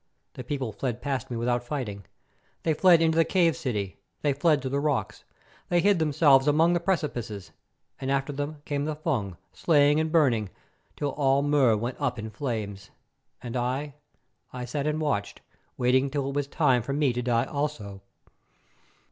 The people fled past me without fighting; they fled into the cave city, they fled to the rocks; they hid themselves among the precipices, and after them came the Fung, slaying and burning, till all Mur went up in flames. And I, I sat and watched, waiting till it was time for me to die also.